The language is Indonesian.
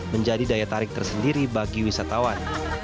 menjadi daya tarik tersendiri bagi wisatawan